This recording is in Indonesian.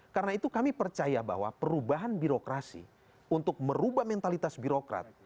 karena itu kami percaya bahwa perubahan birokrasi untuk merubah mentalitas birokrat